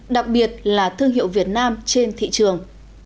đặc biệt là thương hiệu việt nam trên thị trường